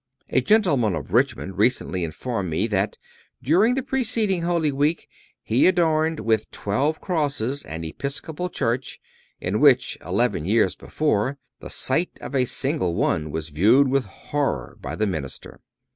A gentleman of Richmond recently informed me that during the preceding Holy Week he adorned with twelve crosses an Episcopal church in which, eleven years before, the sight of a single one was viewed with horror by the minister.